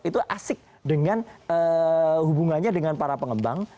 itu asik dengan hubungannya dengan para pengembang